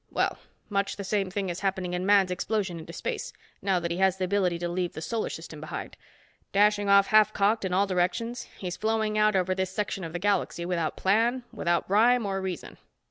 Well, much the same thing is happening in man's explosion into space, now that he has the ability to leave the solar system behind. Dashing off half cocked, in all directions, he's flowing out over this section of the galaxy without plan, without rhyme or reason.